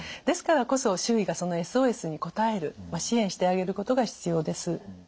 ですからこそ周囲がそのＳＯＳに応える支援してあげることが必要です。